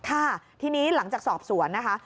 ค่ะทีนี้หลังจากสอบสวนนะคะ